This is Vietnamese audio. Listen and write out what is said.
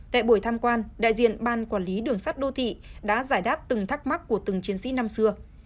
tại buổi tham quan đại diện ban quản lý đường sắt đô thị đã giải đáp từng thắc mắc của từng chiến sĩ năm xưa